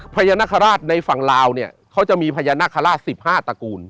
พญานคราชในฝั่งลาวเขาจะมีพญานคราช๑๕ตระกูล